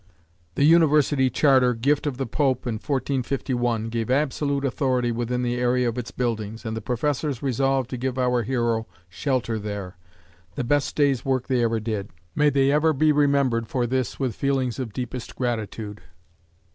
The university charter, gift of the Pope in 1451, gave absolute authority within the area of its buildings, and the Professors resolved to give our hero shelter there the best day's work they ever did. May they ever be remembered for this with feelings of deepest gratitude.